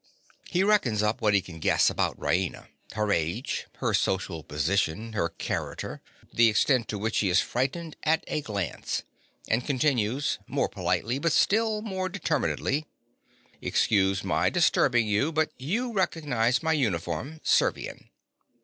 He reckons up what he can guess about Raina—her age, her social position, her character, the extent to which she is frightened—at a glance, and continues, more politely but still most determinedly_) Excuse my disturbing you; but you recognise my uniform—Servian.